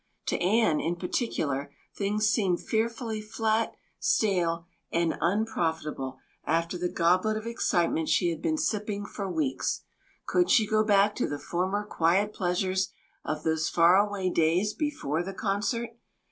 To Anne in particular things seemed fearfully flat, stale, and unprofitable after the goblet of excitement she had been sipping for weeks. Could she go back to the former quiet pleasures of those faraway days before the concert?